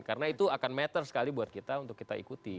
karena itu akan matter sekali buat kita untuk kita ikuti